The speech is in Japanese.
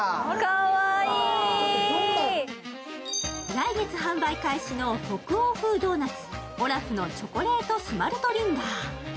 来月販売開始の北欧風ドーナツ、オラフのチョコレート・スマルトリンガー。